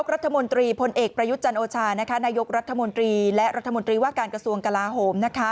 รัฐมนตรีพลเอกประยุทธ์จันโอชานายกรัฐมนตรีและรัฐมนตรีว่าการกระทรวงกลาโหม